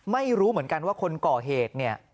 ไม่รู้เหมือนกันว่าคนก่อเหตุเนี่ย